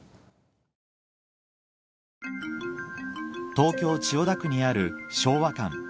東京・千代田区にある昭和館